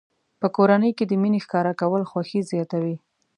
په کورنۍ کې د مینې ښکاره کول خوښي زیاتوي.